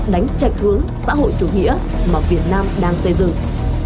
đánh trạch hướng xã hội chủ nghĩa mà việt nam đang xây dựng